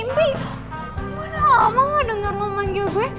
mana lama gak denger lo manggil gue